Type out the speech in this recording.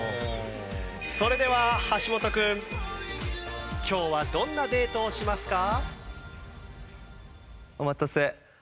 それでは橋本君今日はどんなデートをしますか？